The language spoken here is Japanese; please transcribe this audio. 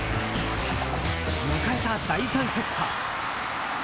迎えた第３セット。